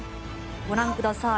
ご覧ください。